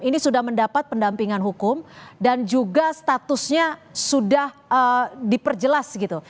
ini sudah mendapat pendampingan hukum dan juga statusnya sudah diperjelas gitu